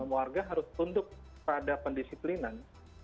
warga harus tunduk pada pendisiplinan